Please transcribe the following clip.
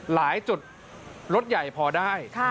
หลายจุดรถใหญ่พอได้